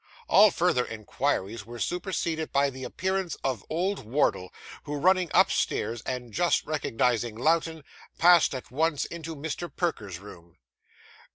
All further inquiries were superseded by the appearance of old Wardle, who, running upstairs and just recognising Lowten, passed at once into Mr. Perker's room.